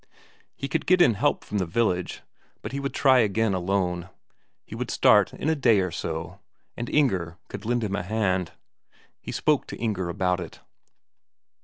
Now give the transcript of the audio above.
He could get in help from the village, but he would try again alone; he would start in a day or so and Inger could lend him a hand. He spoke to Inger about it.